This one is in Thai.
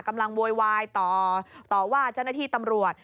โวยวายต่อว่าเจ้าหน้าที่ตำรวจ